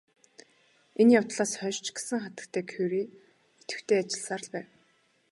Энэ явдлаас хойш ч гэсэн хатагтай Кюре идэвхтэй ажилласаар л байв.